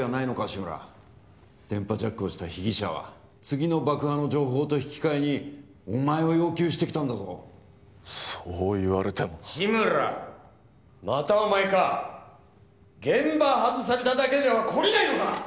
志村電波ジャックをした被疑者は次の爆破の情報と引き換えにお前を要求してきたんだぞそう言われても志村またお前か現場外されただけでは懲りないのか！